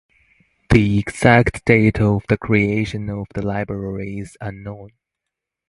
The exact date of the creation of the library is unknown.